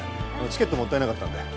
チケットもったいなかったんで。